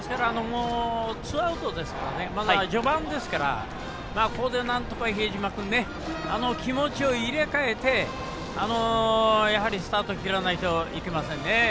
ツーアウトですからまだ序盤ですからここで、なんとか比江島君気持ちを入れ替えてスタートを切らないといけませんね。